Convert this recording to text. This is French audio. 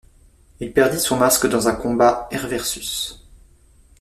Il perdit son masque dans un combat Hair vs.